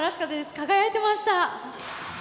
輝いてました！